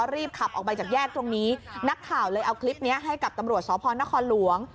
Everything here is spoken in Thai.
รีบขับออกไปจากแยกตรงนี้นักข่าวเลยเอาคลิปนี้ให้กับตำรวจสพนครหลวง